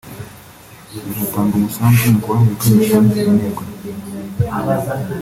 izatanga umusanzu mu kubaha ibikoresho nkenerwa